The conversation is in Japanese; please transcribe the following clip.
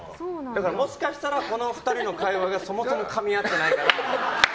もしかしたら、この２人の会話がそもそもかみ合ってないかも。